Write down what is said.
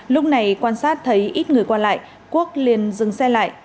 lúc này quan sát thấy ít người quan lại quốc liên dừng xe lại